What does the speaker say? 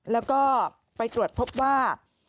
แล้วก็ไปตรวจพบว่า